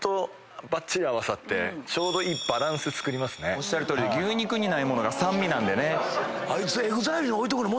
おっしゃるとおりで牛肉にない物が酸味なんでね。